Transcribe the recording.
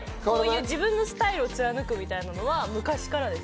自分のスタイルを貫くみたいなのは昔からです。